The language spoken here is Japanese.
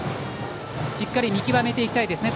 しっかり見極めていきたいですね。